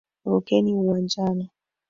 Rukeni uwanjani.